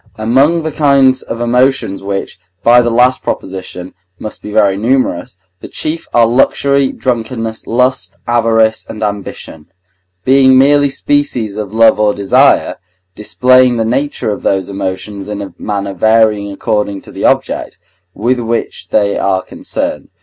Among the kinds of emotions, which, by the last proposition, must be very numerous, the chief are luxury, drunkenness, lust, avarice, and ambition, being merely species of love or desire, displaying the nature of those emotions in a manner varying according to the object, with which they are concerned.